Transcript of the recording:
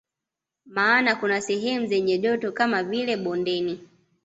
Maana kuna sehemu zenye joto kama vile bondeni